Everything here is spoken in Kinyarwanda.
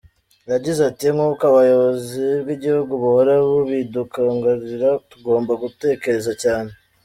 Yagize ati “Nk’uko ubuyobozi bw’Igihugu buhora bubidukangurira, tugomba gutekereza cyane.